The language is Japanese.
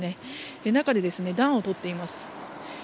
中で暖を取っています。